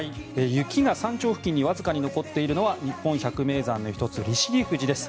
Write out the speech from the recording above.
雪が山頂付近にわずかに残っているのは日本百名山の１つ利尻富士です。